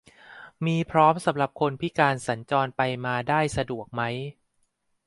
มีพร้อมสำหรับคนพิการสัญจรไปมาได้สะดวกไหม